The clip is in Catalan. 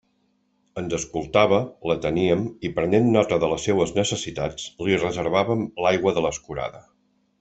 Ens escoltava, l'ateníem, i prenent nota de les seues necessitats, li reservàvem l'aigua de l'escurada.